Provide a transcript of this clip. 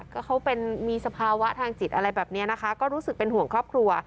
ก็เขาเป็นมีสภาวะทางจิตอะไรแบบนี้นะคะก็รู้สึกเป็นห่วงครอบครัว